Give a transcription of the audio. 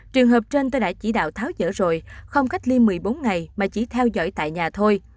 trường hợp trên tôi đã chỉ đạo tháo dỡ rồi không cách ly một mươi bốn ngày mà chỉ theo dõi tại nhà thôi